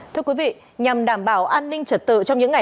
thưa quý vị nhằm đảm bảo an ninh trật tự trong những ngày